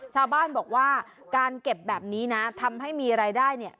ชาวบ้านบอกว่าการเก็บแบบนี้นะทำให้มีรายได้เนี่ย